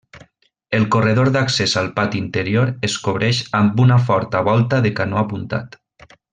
El corredor d'accés al pati interior es cobreix amb una forta volta de canó apuntat.